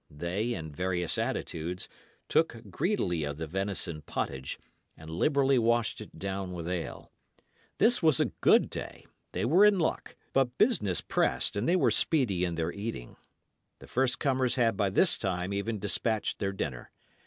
They, in various attitudes, took greedily of the venison pottage, and liberally washed it down with ale. This was a good day; they were in luck; but business pressed, and they were speedy in their eating. The first comers had by this time even despatched their dinner.